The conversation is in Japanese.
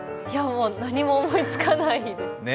何も思いつかない。